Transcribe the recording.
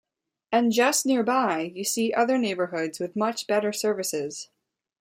And just nearby, you see other neighbourhoods with much better services.